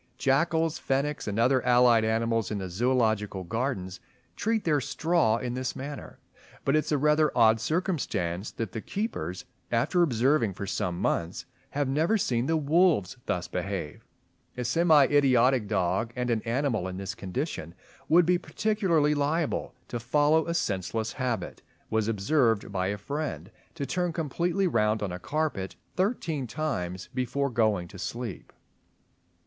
Jackals, fennecs, and other allied animals in the Zoological Gardens, treat their straw in this manner; but it is a rather odd circumstance that the keepers, after observing for some months, have never seen the wolves thus behave. A semi idiotic dog—and an animal in this condition would be particularly liable to follow a senseless habit—was observed by a friend to turn completely round on a carpet thirteen times before going to sleep.